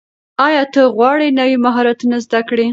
ایا ته غواړې نوي مهارت زده کړې؟